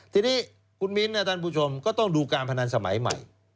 ทีนี้คุณมิ้นท่านผู้ชมก็ต้องดูการพนันสมัยใหม่